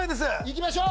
いきましょう。